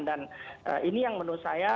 ini yang menurut saya